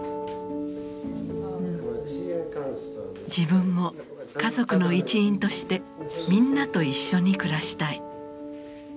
自分も家族の一員としてみんなと一緒に暮らしたい。